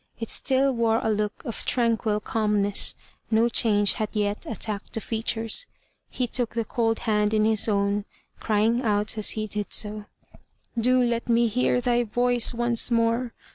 It still wore a look of tranquil calmness; no change had yet attacked the features. He took the cold hand in his own, crying out as he did so: "Do let me hear thy voice once more!